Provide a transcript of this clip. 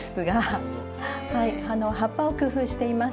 はい葉っぱを工夫しています。